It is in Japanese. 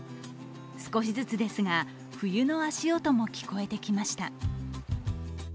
少しずつですが、冬の足音も聞こえてきました。